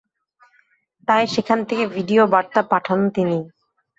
তাই সেখান থেকে ভিডিও বার্তা পাঠান তিনি।